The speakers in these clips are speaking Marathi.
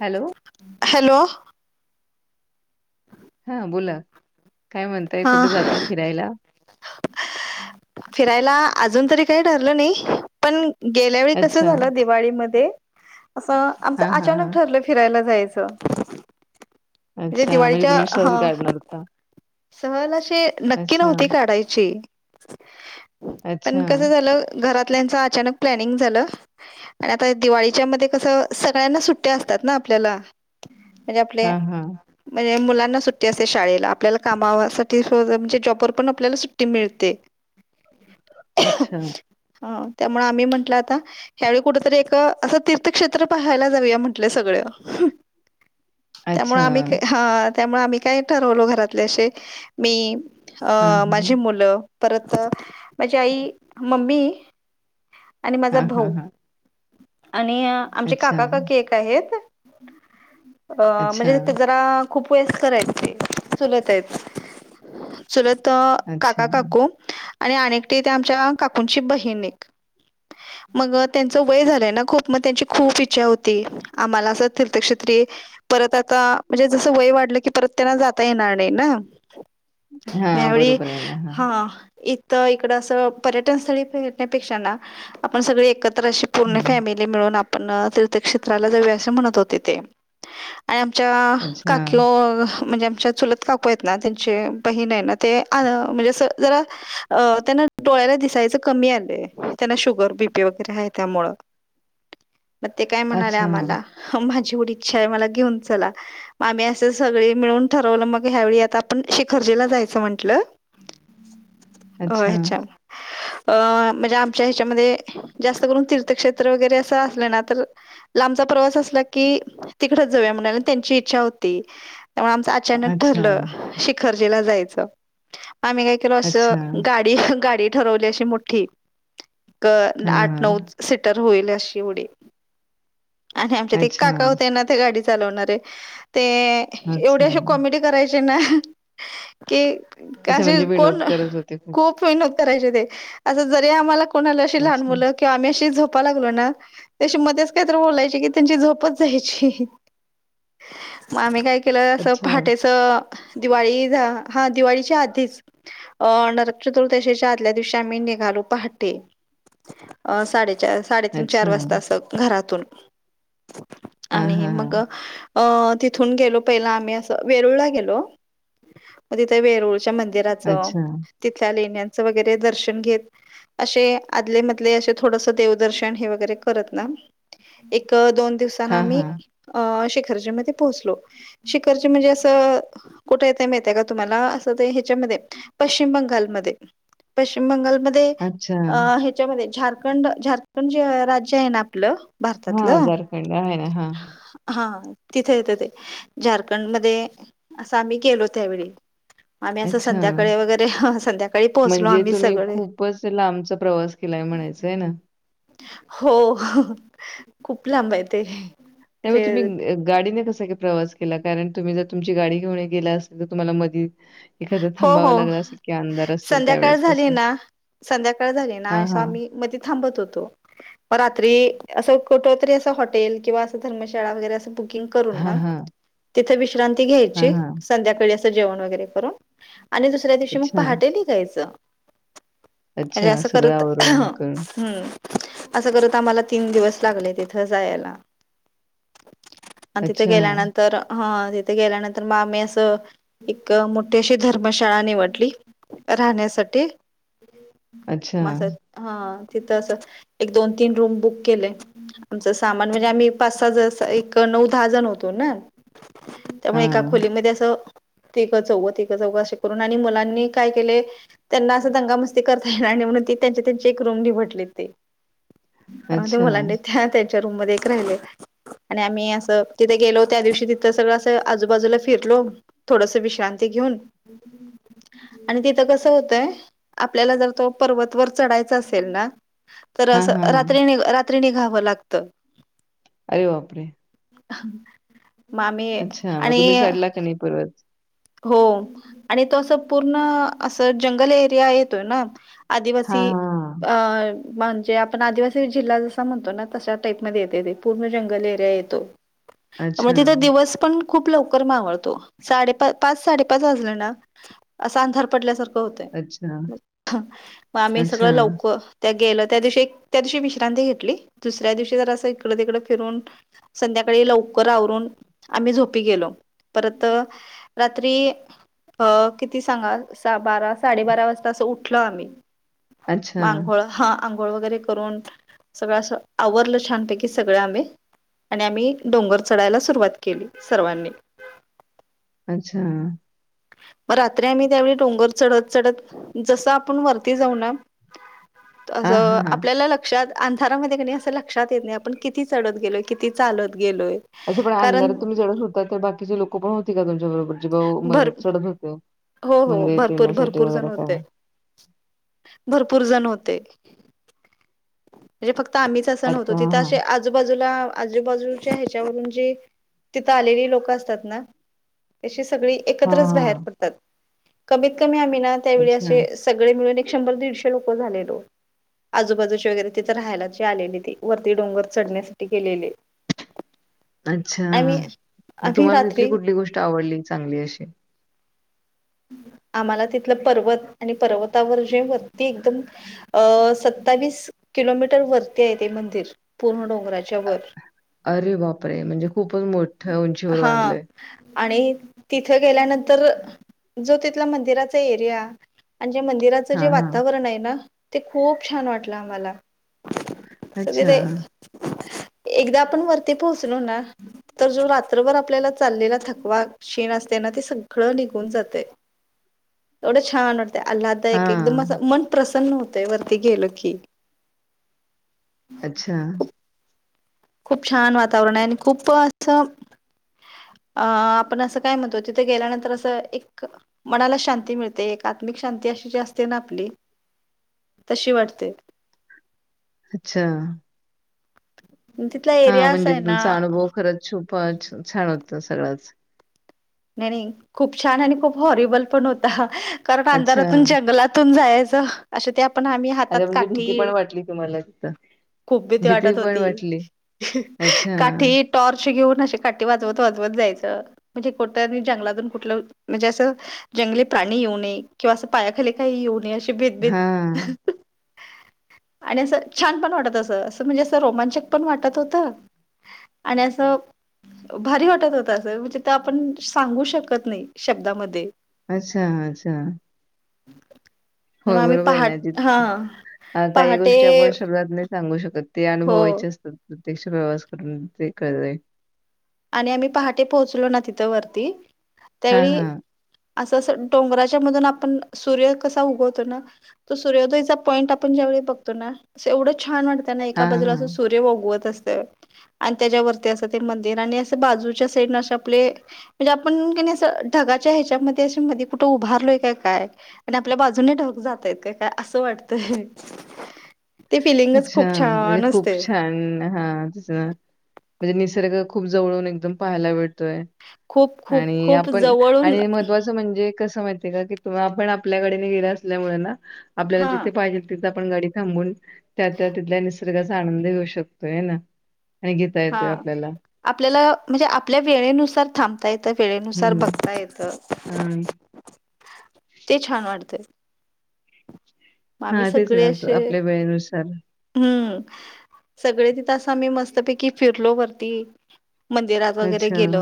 हॅलो. हॅलो. हा बोला काय म्हणताय हा कुठे जाताय फिरायला? फिरायला अजून तरी काही ठरलं नाही पण गेल्या वेळी कसं अच्छा. झालं दिवाळीमध्ये असं आमचं हां, हां, अचानक हां. ठरलं. फिरायला जायचं म्हणजे अच्छा म्हणजे दिवाळीच्या तुम्ही सहल हं. काढणार होता. सहल अशी नक्की अच्छा, नव्हती काढायची अच्छा. पण कसं झालं. घरातल्यांचं अचानक प्लॅनिंग झालं. आणि आता दिवाळीच्या मध्ये कसं सगळ्यांना सुट्ट्या असतात ना आपल्याला. म्हणजे आपल्या हां, हां. म्हणजे मुलांना सुट्टी असते शाळेला आपल्याला काम. गावासाठी [unintelligible] म्हणजे जॉबवर पण आपल्याला सुट्टी मिळते. अच्छा. त्यामुळे आम्ही म्हटलं आता. ह्यावेळी कुठेतरी एक असं तीर्थक्षेत्र पाहायला जाऊया म्हंटलं सगळं. [inaudible] त्यामुळे आम्ही का हा त्यामुळे आम्ही काय ठरवलो घरातले असे मी. हां, अं हां. माझी मुलं परत माझी आई मम्मी. आणि माझा हां, हां, भाऊ हां. आणि आमचे अच्छा, काका काकी एक. काय हे अ अच्छा, म्हणजे जरा. खूप वयस्कर हाय ते चुलत आहेत. चुलत अ अच्छा. काका काकू आणि एकटी त्या आमच्या काकूंची बहीण एक. मग त्यांच वय झालंय ना खूप मग त्यांची खूप इच्छा होती. आम्हाला असं तीर्थक्षेत्री. परत आता म्हणजे जसं वय वाढलं की परत त्यांना जाता येणार नाही ना. म ह्या हां, वेळीही बरोबर आहे ना. हां, हा. इथं इकडं असं पर्यटन स्थळी फेरण्यापेक्षा ना आपण सगळे एकत्र अशी. पूर्ण हं. फॅमिली मिळून आपण तीर्थक्षेत्राला जाऊया असे म्हणत होते ते. आणि आमच्या अच्छा, काकी वो म्हणजे आमच्या चुलत काकू आहेत. ना त्यांचे बहीण आहे ना ते अ म्हणजे आस जरा. अ त्यांना डोळ्याला दिसायचं कमी आलंय त्यांना शुगर बीपी वगैरे आहे त्यामुळ. [inaudible] मग ते काय म्हणाले अच्छा, आम्हाला. माझी एवढी इच्छा आहे मला घेऊन चला मम्ही असं सगळे मिळून ठरवलं मग ह्यावेळी आ''--'' आपण शेखरजीला जायचं म्हंटल होय अच्छा, ह्याच्या. अ म्हणजे आमच्या ह्याच्यामध्ये. जास्त करून तीर्थक्षेत्र वगैरे असं असलं ना तर. लांचा प्रवास असला की तिकडच जाऊया म्हणा त्यांची इच्छा होती त्या आमच अचा''--'' चानक अच्छा, ठरल शिखर जिला जायच आम्ही काय केल अस अच्छा. गाडी. [unintelligible] गाडी ठरवली अशी मोठी ग हां, आठ नऊ हां. सीटर होईल अशी एवढी आणि आमच्यात एक अच्छा, काका होते ना त्या गाडीत. चालवणारे ते एवढे अच्छा. अशे कॉमेडी करायचे ना. कि अच्छा कसे म्हणजे विनोद कोण करत होते खूप. फॉलो करायचे ते असं जरी आम्हाला कोणाला अशी लहान अच्छा, मुलं किंवा आम्ही अशी झोपा लागलो ना. ते आशी मधेच काहीतरी बोलायची कि त्यांची झोपच जायची. मग आम्ही काय केलं असं अच्छा, पहाटेच. दिवाळी झा हा दिवाळीच्या आधीच. अ नरक चतुर्दशीच्या आदल्या दिवशी आम्ही निघालो पहाटे. अ साडे चार. साडेतीन अच्छा. चार वाजता अस घरातून हां, आणि हां, हां. मग. अ तिथून गेलो पहिला आम्ही असं वेरुळला गेलो. म तिथे वेरुळच्या मंदिराचं अच्छा. तिथल्या लेण्यांचं वगैरे दर्शन घेत असे आदले मधले अशे थोडसा देवदर्शन हे वगैरे करत ना. एक दोन दिवस ताना हां, आम्ही हां. अ शिखर्जी मध्ये पोहोचलो शिखर्जी म्हणजे असं कुठे येतय माहिती का तुम्हाला असं ते ह्याच्यामध्ये पश्चिम बंगालमध्ये पश्चिम बंगालम ध्ये अच्छा. अ ह्याच्यामध्ये झारखंड झारखंड जे राज्य आहे ना आपलं हा भारतातलं झारखंड आहे ना हा. हा तिथे येतं ते झारखंडमध्ये त आम्ही केलो त्यावेळी. आम्ही असं अच्छा. संध्याकाळी वगैरे संध्याकाळी पोहोचलो आम्ही सगळे. पसं लांबचा प्रवास केलाय म्हणायचं आहे ना. हो खूप लांब आहे ते. तेव्हा असे तुम्ही अ गाडीने कसं गं प्रवास केला कारण तुम्ही जर तुमची गाडी घेऊन गेला असेल तर तुम्हाला मधी एखादं हो हो थांबावं लागलं असेल की अंधार असेल संध्याकाळ त्यावेळेस झाली कसं? ना संध्याकाळ झाली ना हां, असं हां. आम्ही मध्ये थांबत होतो. प रात्री असं कुठ तरी असं हॉटेल किंवा असं धर्मशाळा वगैरे असं बु किंग करून हां, ना हां. तिथे विश्रांती हां, घ्यायची हां. संध्याकाळी असं जेवण वगैरे करून आणि दुसऱ्या दिवशी म अच्छा. पहाटे निघायचं. म्हणजे अच्छा. असं सगळं करत आवरून करून. हम्म. असं करत आम्हाला तीन दिवस लागले तिथं जायला. आणि तिथे अच्छा. गेल्यानंतर हा तिथे गेल्यानंतर म आम्ही असं एक मो ठेशी धर्मशाळा निवडली राहण्यासाठी अच्छा. म असं हा तिथंं असं एक दोन तीन रूम बुक केले. आमचं सामान म्हणजे आम्ही पाच सहा जसं एक नऊ दहा जण होतो ना त्यामुळे एका हां. खोलीमध्ये असं तीकं चौघ तीकं चौघं अशे करून आणि मुलांनी काय केले त्यांना असं दंगामस्ती करता येणार नाही म्हणून ती त्यांचे त्यांचे एक रूम निवडले ते. त्यामध्ये अच्छा. मुलांनी त्या त्यांच्या रूम मध्ये एक राहिले. आणि आम्ही असं तिथे गेलो त्या दिवशी तिथं सगळं असं आजूबाजूला फिरलो. थोडसा विश्रांती घेऊन आणि तिथं कसं होतय आपल्याला जर तो पर्वत वर चढायचा असेल ना तर हां, असं हां. रात्री नी रात्री निघावं लागतं. अरे बापरे! मामी आणि हे पूर्वच हो आणि तो असं पूर्ण असं जंगल एरिया येतोय ना हां, आदिवासी हां. अन म्हणजे आपण आदिवासी जिल्हा जसा म्हणतो ना तशा टाईप मध्ये येते ते पूर्ण जंगल एरिया येतो. म अच्छा, तिथं दिवस पण खूप लवकर मावळतो साडे पाच पाच साडे पाच वाजले ना अस अंधार पडल्यासार होतय अच्छा, म आम्ही सगळं अच्छा, लवक त्या गेलं त्या दिवशी एक त्या दिवशी विश्रांती घेतली दुसऱ्या दिवशी जर असं इकडं तिकडं फिरून संध्याकाळी लवकर आवरून आम्ही झोपी गेलो परत रात्री अ किती सांगा बारा साडेबारा वाजता असं उठलं आम्ही म अच्छा, आंघोळ हा आंघोळ वगैरे करून सगळं अस आवरलं छानपैकी सगळे आम्ही आणि आम्ही डोंगर चढायला सुरुवात केली सर्वांनी अच्छा मग रात्री आम्ही त्यावेळी डोंगर चढत, चढत जसं आपण वरती जाऊ ना हां, असं हां, हां. आपल्याला लग लक्षात अंधारामध्ये कनाई असं लक्षात येत नाही आपण किती चढत गेलो किती चालत गेलोय अे पण कारण अंधारात तुम्ही चढत होता तर बाकीचे लोक पण होती का तुमच्या बरोबर जे बाऊ भर चढत होते हो, हो मंदिरात भरपूर, येण्यासाठी भरपूर जण वगैरे तेव्हा? होते भरपूर जण होते म्हणजे फक्त आम्हीच असं नवतो अच्छा, तिथं हां, अशे आ आजूबाजूला आजूबाजूच्या ह्याच्यावरून जे तिथं आलेली लोकं असतात ना जो अ सगळी एकत्रच बाहेर हां. पडतात कमीत कमी आम्ही ना त्यावेळी अच्छा, असे सगळे मिळून एक शंभर दीडशे लोक झालेलो आजूबाजूचे वगैरे तिथं राहायला जे आलेले ती वरती डोंगर चढण्यासाठी गेलेले अच्छा आम्ही मग आम्ही तुम्हाला तिथली रात्री कुठली गोष्ट आवडली चांगली अशी आम्हाला तिथलं पर्वत आणि पर्वतावर जे वरती एकदम अ सत्तावीस किलोमीटर वरती आहे ते मंदिर पूर्ण डोंगराच्या वर अरे बापरे म्हणजे खूपच मोठं उंचीवर हा बांधलंय आणि तिथे गेल्यानंतर जो तिथला मंदिराचा एरिया आणि जे मंदिराचं जे हां, हां. वातावरण आहे ना ते खूप छान वाटलं आम्हाला अच्छा. [unintelligible] एकदा आपण वरती पोहचलो ना तर जो रात्रभर आपल्याला चाललेला थकवा, क्षीण असतय ना ते सगळं निघून जात [unintelligible] छान वाटतय आल्हादायक एकदम हां. असं मन प्रसन्न होतय वरती गेलं की अच्छा खूप छान वातावरणय आणि खूप असं अ आपण असं काय म्हणतो तिथे गेल्यानंतर असं एक मनाला शांती मिळते एक आत्मिक शांती अशी जी असते ना आपली तशी वाटते अच्छा तिथला हा एरिया असा म्हणजे आहे ना तुमचा अनुभव खरंच छुप छान वाटतो सगळाच नाही, नाही खूप छान आणि खूप हॉरेबल पण होता कारण अंधारातून अच्छा. जंगलात तून जायाच अश्या त्या पण आणि अच्छा म्हणजे भीती पण वाटली तुम्हाला तिथं खूप भीती वाटत पण होती वाटली. अच्छा. काठीत टॉर्च घ्यून अशी काठी वाजवत, वाजवत जायचं कुटं बी जंगलातून कुटलं म्हणजे असं जंगली प्राणी येऊ नये किंवा असं पायाखाली काही येऊ नये अशी भीत, भीत [unintelligible] आणि असं छान पण वाटत असं, असं म्हणजे असं रोमांचक पण वाटत होतं आणि असं भारी वाटत होतं असं म्हणजे त्या आप आपण सांगू शकत नाही शब्दामध्ये अच्छा, अच्छा [unintelligible] होय बरोबराय ना पहाट जी हा अ काही गोष्टी पहाटे आपण शब्दात नाय सांगू शकत ते हो अनुभवायचे असतात प्रत्यक्ष प्रवास करून ते कळलंय आणि आम्ही पहाटे पोहोचलो ना तिथं वरती हां, त्यावेळी हां. असं अस डोंगराच्या मधून आपण सूर्य कसा उगवतो ना तो सूर्योदयचा पॉईंट आपण ज्यावेळी बघतो ना अस एवढं छान वाटत एका हां, बाजूला असं हां. सूर्य वव उगवत असतोय आण तेज्यावरती असं ते मंद दीर आणि असं बाजूच्या साईडने असे आपले म्हणजे आपण की नाय असं ढगाच्या हेच्या मध्ये अशे मध्ये कुठं उभारलोय का काय आण आपल्या बाजूने ढग जातय का काय असं वाटतंय ते फिलिंगच अच्छा खूप म्हणजे छान खूप असते छान हा तेच ना म्हणजे निसर्ग खूप जवळून एकदम पहायला भेटतोय खूप खूप आणि खूप आपण, जवळून आणि महत्वाच च, म्हणजे कसं माहितीये का, की तुम्ही आपण आपल्या गाडीनं गेल असल्यामुळ ना, आपल्याला हा जिथे पाहिजेल तिथं आपण गाडी थांबून, त्या त्या तिथल्या निसर्गाचा आनंद घेऊ शकतोय ना. आणि घेता हा येतोय आपल्याला. आपल्याला म्हणजे आपल्या वेळेनुसार थांबता येतं, वेळेनुसार बघता येत. हम, ते छान वाटतंय. मग हा आम्ही तेच ना, सगळे असे आपल्या वेळेनुसार. हम्म, सगळे तिथं असं आम्ही मस्तपैकी फिरलो वरती मंदिरा वगैरे अच्छा. गेलो.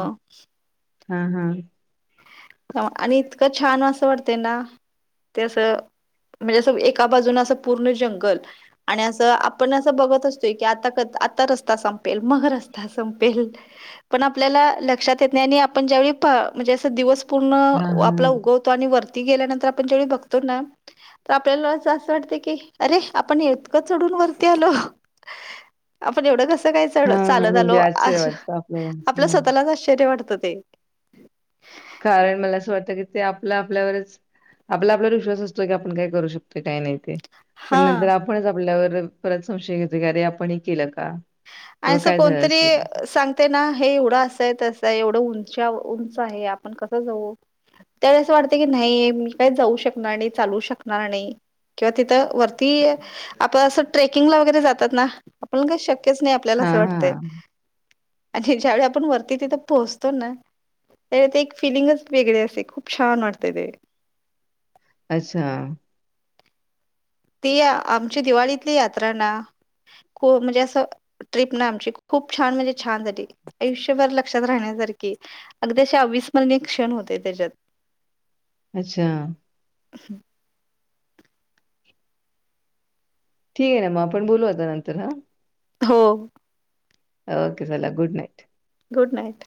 हां, हां. अ, आणि इतकं छान असं वाटतय ना. ते असं, म्हणजे असं एका बाजूनं असं पूर्ण जंगल आणि असं आपण असं बघत अस्तुय की आता- आता रस्ता संपेल, मग रस्ता संपेल. पण आपल्याला लक्षात येत नाई, आणि आपण ज्यावेळी प, म्हणजे असं दिवस पूर्ण हां, आपला हां. उगव तो आणि वरती गेल्यानंतर आपण जेवढ बघतो ना तर आपल्याला असं वाटते कि, अरे आपण इतकं चढून वरती आलो. आपण एवढं कसं काय हां, चालतं म्हणजे आलो. आश्चर्य असं, वाटतं आपल्याला. आपल्या हां. स्वतःलाचं आश्चर्य वाटतं ते. कारण मला असं वाटतं की, ते आपलं आपल्यावरचं आपला आपल्यालावर विश्वास असतोयं कि आपण काय करू शकतोयं काय नाही ते. पण नंतर हा. आपणचं आपल्यावर परत संशय घेतो. कि, अरे आपण हे केलं का? तेव्हा असं काय झालं कोणतरी असेल? सांगतं ते ना, हे एवढं असायं- तसंयं एवढं उंचा, उंच आहे. आपण कसं जाऊ! त्याला असं वाटतं की, नाही मी काही जाऊ शकणार नाही चालू शकणार नाही. किंवा तिथं वरती, आपण असं ट्रेकिंगला वगैरे जातात ना, आपण का शक्यचं नाही आपल्याला असं हां, वाटतंय, हां. आणि ज्या वेळी आपण वरती तिथं पोहोचतो ना. ते एक फीलिंगच वेगळी असते, खूप छान वाटतेय ते. अच्छा. ती आमची दिवाळीतली यात्रा ना, खो -म्हणजे असं ट्रिप ना आमची खूप छान म्हणजे छान झाली, अयुष्यभर लक्षात राहण्यासारखी. अगदी अविसर्मनीय क्षण होते त्याच्यात. अच्छा, [unintelligible] ठीक आहे ना, म आपण बोलू आता नंतरन. हो. ओके चला गुड नाइट. Good night.